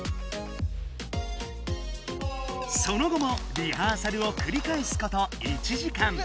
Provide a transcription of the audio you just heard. その後もリハーサルをくりかえすこと１時間。